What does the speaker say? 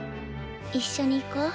一緒に行こう。